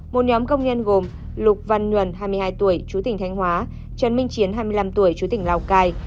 một nhóm công nhân gồm lục văn nhuần hai mươi hai tuổi chú tỉnh thanh hóa trần minh chiến hai mươi năm tuổi chú tỉnh lào cai